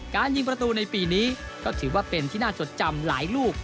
การยิงประตูในปีนี้ก็ถือว่าเป็นที่น่าจดจำหลายลูก